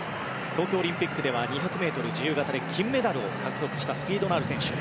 東京オリンピックでは２００ｍ自由形で金メダルを獲得したスピードのある選手。